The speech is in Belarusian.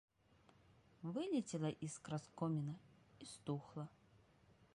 Вылецела іскра з коміна і стухла.